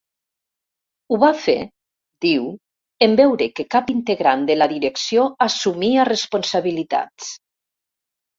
Ho va fer, diu, en veure que cap integrant de la direcció assumia responsabilitats.